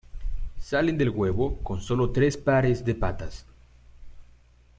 Salen del huevo con solo tres pares de patas.